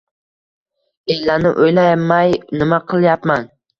Ellani o`ylamay, nima qilyapman